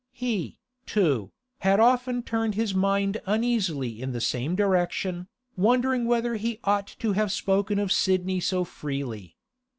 He, too, had often turned his mind uneasily in the same direction, wondering whether he ought to have spoken of Sidney so freely.